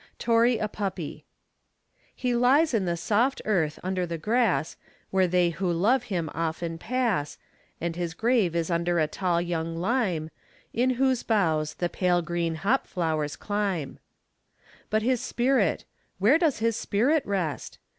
TORY, A PUPPY He lies in the soft earth under the grass, Where they who love him often pass, And his grave is under a tall young lime, In whose boughs the pale green hop flowers climb; But his spirit where does his spirit rest?